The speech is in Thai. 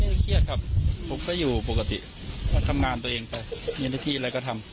เครียดครับผมก็อยู่ปกติทำงานตัวเองไปมีหน้าที่อะไรก็ทำ